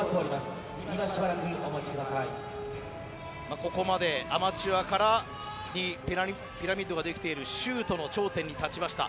ここまで、アマチュアからピラミッドができている修斗の頂点に立ちました。